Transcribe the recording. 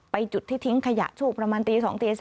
ไปจุดที่ทิ้งขยะชูประมาณตี๒๓